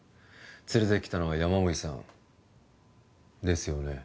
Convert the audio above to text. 連れてきたのは山守さんですよね？